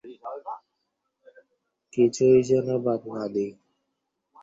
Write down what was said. কিছুই যেন বাদ না দিই।